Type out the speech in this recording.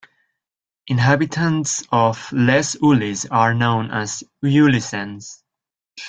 Inhabitants of Les Ulis are known as "Ulissiens".